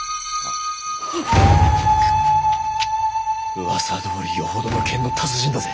うわさどおりよほどの剣の達人だぜ。